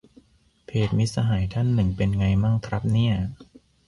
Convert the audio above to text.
เพจมิตรสหายท่านหนึ่งเป็นไงมั่งครับเนี่ย